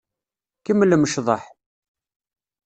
Kemmlem ccḍeḥ.